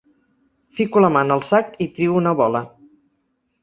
Fico la mà en el sac i trio una bola.